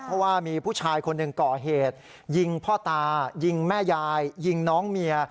เพราะว่ามีผู้ชายคนหนึ่งก่อเหตุยิงพ่อตายิงแม่ยายยิงน้องเมีย